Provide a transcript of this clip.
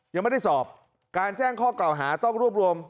ยังไม่ได้สอบการแจ้งข้อกล่าวหาต้องรวบรวม